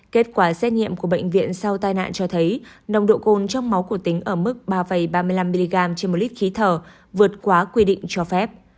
kết quả xét nghiệm của bệnh viện sau tai nạn cho thấy nồng độ cồn trong máu của tính ở mức ba ba mươi năm mg trên một lít khí thở vượt quá quy định cho phép